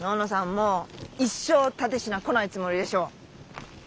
もう一生蓼科来ないつもりでしょ？